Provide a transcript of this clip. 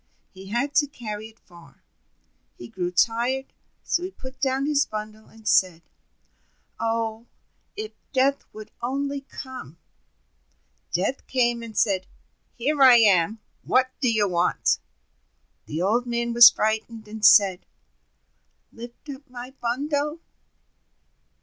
He had to carry it far. He grew tired, so he put down his bundle, and said: "Oh, if Death would only come!" Death came, and said: "Here I am, what do you want?" The Old Man was frightened, and said: "Lift up my bundle!"